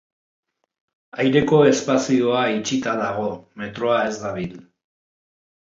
Aireko espazioa itxita dago, metroa ez dabil.